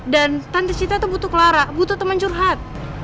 dan tante citra tuh butuh clara butuh temen curhat